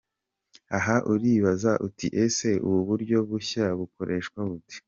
Aha uribaza uti 'Ese ubu buryo bushya bukoreshwa bute'?.